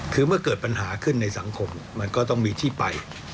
คือเมื่อเกิดปัญหาขึ้นในสังคมมันก็ต้องมีที่ไป